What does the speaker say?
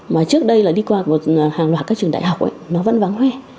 mà trước đây là đi qua một hàng loạt các trường đại học ấy nó vẫn vắng hoe